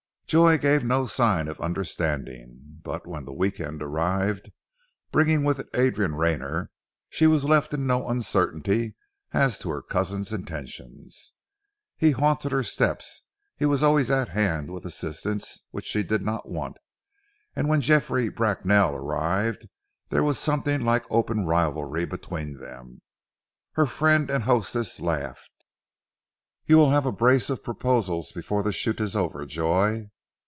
Joy gave no sign of understanding, but when the week end arrived, bringing with it Adrian Rayner, she was left in no uncertainty as to her cousin's intentions. He haunted her steps. He was always at hand with assistance which she did not want; and when Geoffrey Bracknell also arrived, there was something like open rivalry between them. Her friend and hostess laughed. "You will have a brace of proposals before the shoot is over, Joy."